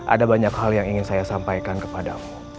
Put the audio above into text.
ada banyak hal yang ingin saya sampaikan kepadamu